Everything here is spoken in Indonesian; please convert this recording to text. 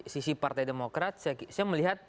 sisi partai demokrat saya melihat